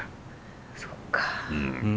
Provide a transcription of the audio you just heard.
そっか。